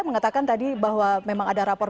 mengatakan tadi bahwa memang ada rapor